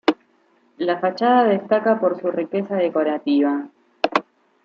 La fachada destaca por su riqueza decorativa.